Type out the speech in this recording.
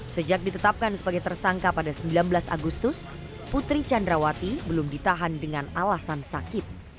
sejak ditetapkan sebagai tersangka pada sembilan belas agustus putri candrawati belum ditahan dengan alasan sakit